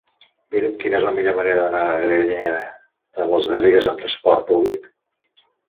Mira'm quina és la millor manera d'anar a Granyena de les Garrigues amb trasport públic.